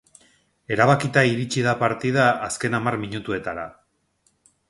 Erabakita iritsi da partida azken hamar minutuetara.